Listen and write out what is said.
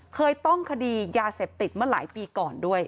เคยต้องคดียาเสพติดมาหลายปีก่อนด้วย